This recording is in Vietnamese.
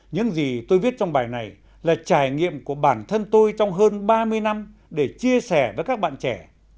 những gì tôi viết trong bài này là trải nghiệm của bản thân tôi trong hơn ba mươi năm để chia sẻ với các bạn trẻ